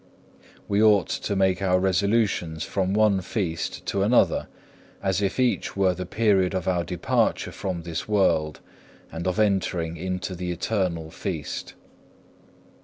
We ought to make our resolutions from one Feast to another, as if each were the period of our departure from this world, and of entering into the eternal feast.